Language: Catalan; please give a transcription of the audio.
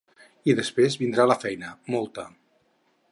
I després vindrà la feina, molta.